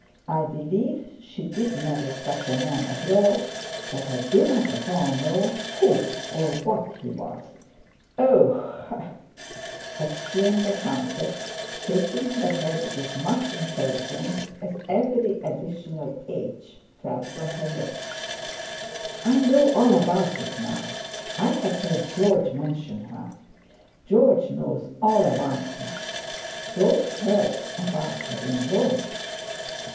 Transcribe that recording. I believe she did marry such a man abroad, but I do not at all know who or what he was.' 'Ah h h h!' said the countess, shaking her head with much intelligence, as every additional 'h' fell from her lips. 'I know all about it now. I have heard George mention her. George knows all about her. George heard about her in Rome.'